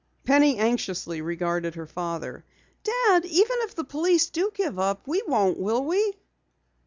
Penny anxiously regarded her father. "Dad, even if the police do give up, we won't, will we?"